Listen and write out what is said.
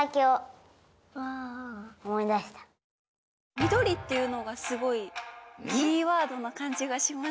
みどりっていうのがすごいキーワードなかんじがしますね。